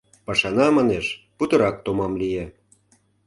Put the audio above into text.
Пашана, манеш, путырак томам лие.